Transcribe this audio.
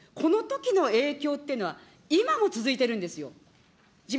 総理ね、このときの影響っていうのは、今も続いてるんですよ。